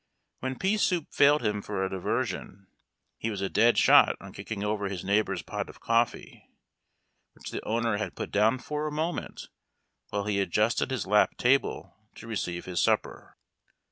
When pea soup failed him for a diversion, he was a dead shot on kick ing over his neighbor's pot of coffee, which the owner had put down for a moment while he adjusted his lap table to receive his supper.